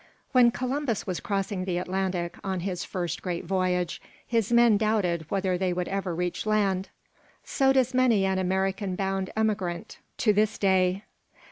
When Columbus was crossing the Atlantic, on his first great voyage, his men doubted whether they would ever reach land. So does many an America bound emigrant to this day.